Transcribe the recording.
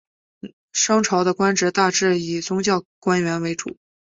商朝的官职大致以宗教官员为主。